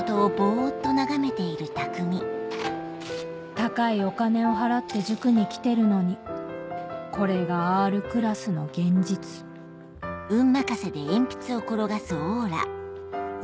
高いお金を払って塾に来てるのにこれがＲクラスの現実えっ